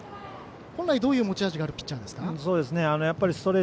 本来、どういう持ち味があるピッチャーですか？